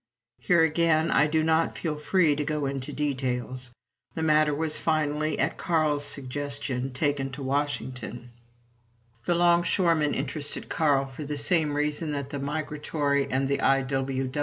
Here again I do not feel free to go into details. The matter was finally, at Carl's suggestion, taken to Washington. The longshoremen interested Carl for the same reason that the migratory and the I.